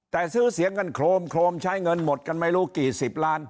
แต่ซื้อเสียงกันโครมโครมใช้เงินหมดกันไม่รู้กี่สิบล้าน